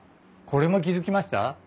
これも気付きました？